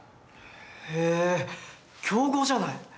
へえ強豪じゃない。